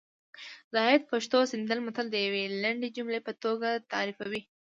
زاهد پښتو سیند متل د یوې لنډې جملې په توګه تعریفوي